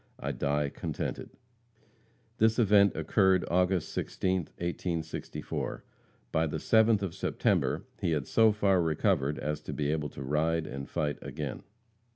I die contented." This event occurred August 16th, 1864. By the 7th of September he had so far recovered as to be able to ride and fight again.